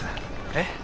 えっ？